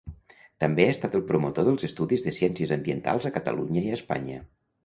També ha estat el promotor dels estudis de ciències ambientals a Catalunya i a Espanya.